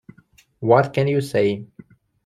What can you say?